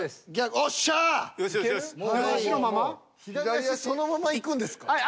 左足そのままいくんですか。